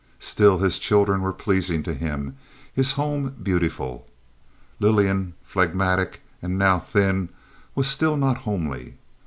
Still, his children were pleasing to him; his home beautiful. Lillian, phlegmatic and now thin, was still not homely.